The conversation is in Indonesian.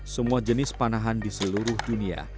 semua jenis panahan di seluruh dunia